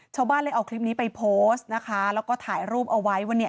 ชาวบ้านเลยเอาคลิปนี้ไปโพสต์นะคะแล้วก็ถ่ายรูปเอาไว้ว่าเนี่ย